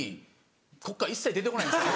こっから一切出てこないんですよ。